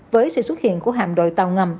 với sự xuất hiện của hàm đội tàu ngầm